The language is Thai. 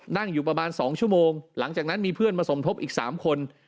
นั่งอยู่ประมาณ๒ชั่วโมงหลังจากนั้นมีเพื่อนมาสมทบอีก๓คน